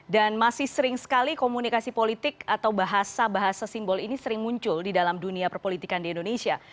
dan masih sering sekali komunikasi politik atau bahasa bahasa simbol ini sering muncul di dalam dunia perpolitikan di indonesia